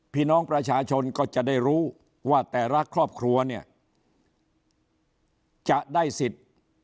พี่น้องประชาชนก็จะได้รู้ว่าแต่ละครอบครัวเนี่ยจะได้สิทธิ์